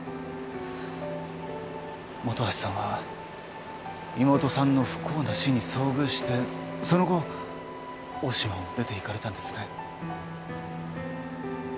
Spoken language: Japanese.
本橋さんは妹さんの不幸な死に遭遇してその後大島を出ていかれたんですね？